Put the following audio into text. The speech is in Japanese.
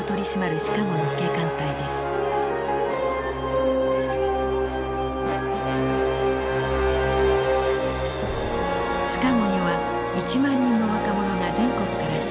シカゴには１万人の若者が全国から集結。